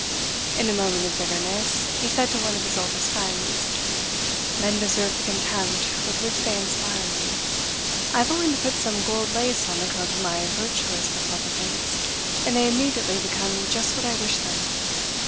In a moment of bitterness, he said to one of his oldest friends, "Men deserve the contempt with which they inspire me. I have only to put some gold lace on the coat of my virtuous republicans, and they immediately become just what I wish them."